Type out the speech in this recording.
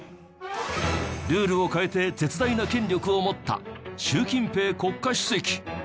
ルールを変えて絶大な権力を持った習近平国家主席。